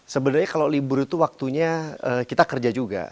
sebenarnya kalau libur itu waktunya kita kerja juga